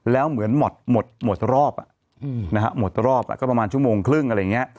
แล้วเหมือนหมดรอบหมดรอบก็ประมาณชั่วโมงครึ่งอะไรอย่างนี้